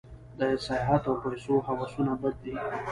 د سیاحت او پیسو هوسونه بد دي.